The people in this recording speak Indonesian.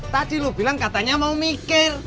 tadi lo bilang katanya mau mikir